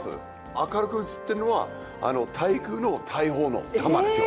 明るく映ってるのは対空の大砲の弾ですよ。